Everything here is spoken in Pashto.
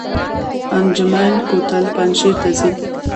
انجمین کوتل پنجشیر ته ځي؟